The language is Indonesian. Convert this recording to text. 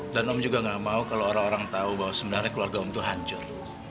dan om juga gak mau kalau orang orang tahu bahwa sebenarnya keluarga om itu hancur